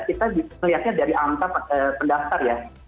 kita melihatnya dari angka pendaftar ya